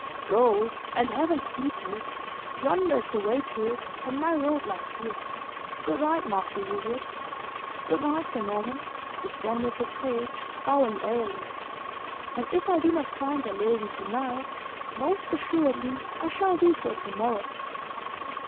"Go, and Heaven speed you! Yonder is the way to it, and my road lies here. Good night, master Hubert." "Good night, Sir Norman," responded the page, bowing airily; "and if I do not find the lady to night, most assuredly I shall do so to morrow."